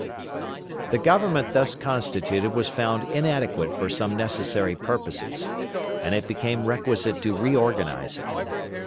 The Government thus constituted was found inadequate for some necessary purposes, and it became requisite to reorganize it.